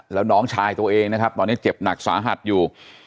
แล้วน้องชายตัวเองนะครับตอนนี้เจ็บหนักสาหัสอยู่